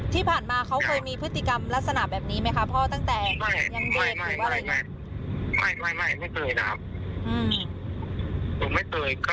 ที่ผ่านมาเขาเคยมีพฤติกรรมลักษณะแบบนี้ไหมคะพ่อตั้งแต่ยังเด็กหรืออะไรอย่างนี้